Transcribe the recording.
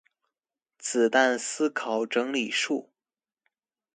子彈思考整理術